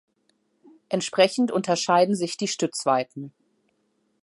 Entsprechend unterscheiden sich die Stützweiten.